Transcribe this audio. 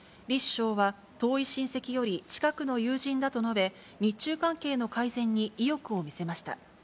遠い親戚より近くの友人だと述べ、日中関係の改善に意欲を見せました。